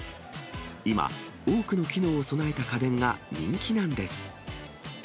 今、多くの機能を備えた家電が人気なんです。